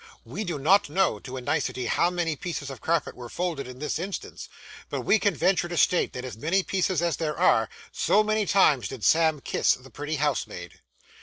We do not know, to a nicety, how many pieces of carpet were folded in this instance, but we can venture to state that as many pieces as there were, so many times did Sam kiss the pretty housemaid.